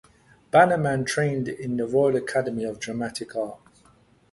Bannerman trained in the Royal Academy of Dramatic Art.